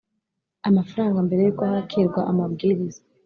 amafaranga mbere y uko hakirwa amabwiriza